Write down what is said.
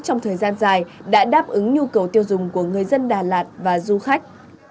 trong thời gian dài đã đáp ứng nhu cầu tiêu dùng của người dân đà lạt và du khách